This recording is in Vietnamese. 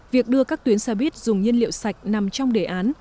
việc đưa các tuyến xe buýt dùng nhiên liệu sạch nằm trong đề án